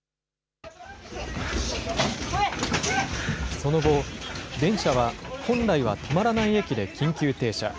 その後、電車は本来は止まらない駅で緊急停車。